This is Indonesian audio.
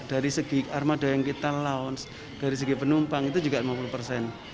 dari segi armada yang kita launch dari segi penumpang itu juga lima puluh persen